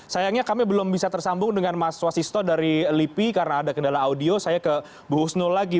sayangnya kami belum bisa tersambung dengan mas wasisto dari lipi karena ada kendala audio saya ke bu husnul lagi